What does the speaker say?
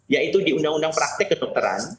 yaitu di undang undang praktek kedokteran